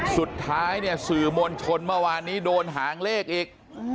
สุดท้ายเนี่ยสื่อมวลชนเมื่อวานนี้โดนหางเลขอีก